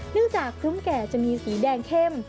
จากคลุ้มแก่จะมีสีแดงเข้ม